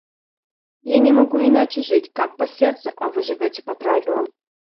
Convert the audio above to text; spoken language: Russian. Я не могу иначе жить, как по сердцу, а вы живете по правилам.